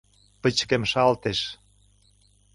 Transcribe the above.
Пычкемышалтеш.